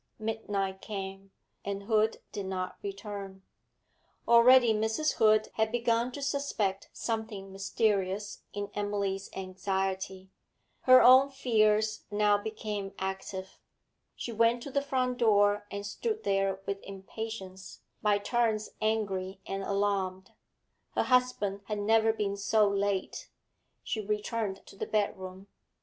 Midnight came, and Hood did not return. Already Mrs. Hood had begun to suspect something mysterious in Emily's anxiety; her own fears now became active. She went to the front door and stood there with impatience, by turns angry and alarmed. Her husband had never been so late. She returned to the bedroom.